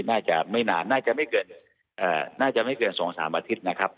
น่าจะไม่นานน่าจะไม่เกิน๒๓อาทิตย์นะครับ